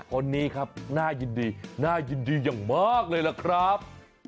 คนนี้ครับน่ายินดีอย่างมากเลยเหรอครับ